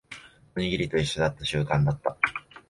おにぎりと一緒だった。習慣だった。